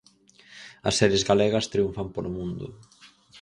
As series galegas triunfan polo mundo.